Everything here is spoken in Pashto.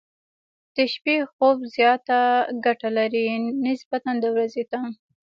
د شپې خوب زياته ګټه لري، نسبت د ورځې ته.